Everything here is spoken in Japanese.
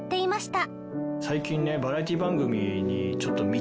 最近ね。